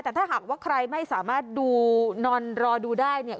แต่ถ้าหากว่าใครไม่สามารถดูนอนรอดูได้เนี่ย